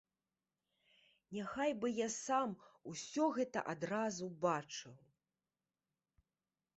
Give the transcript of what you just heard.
Няхай бы я сам усё гэта адразу бачыў.